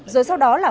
rồi sau đó là